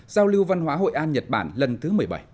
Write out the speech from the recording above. giao lưu văn hóa hội an nhật bản lần thứ một mươi bảy